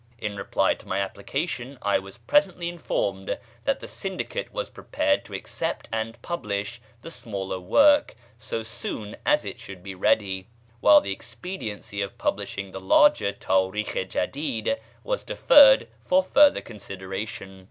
In reply to my application, I was presently informed that the Syndicate was prepared to accept and publish the smaller work so soon as it should be ready, while the expediency of publishing the larger Táríkh i Jadíd was deferred for future consideration.